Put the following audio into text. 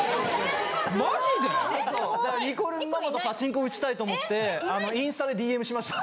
・マジで？にこるんママとパチンコうちたいと思ってあのインスタでＤＭしました。